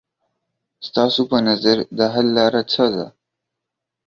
ستاسو په نظر د حل لاره څه ده؟